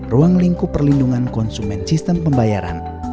ruang lingkup perlindungan konsumen sistem pembayaran